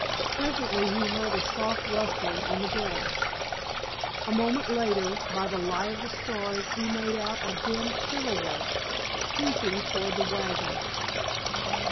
Presently he heard a soft rustling in the grass. A moment later by the light of the stars he made out a dim silhouette creeping toward the wagons.